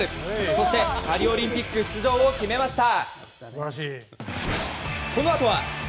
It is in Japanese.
そして、パリオリンピック出場を決めました。